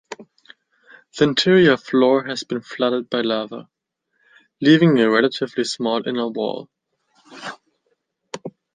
The interior floor has been flooded by lava, leaving a relatively small inner wall.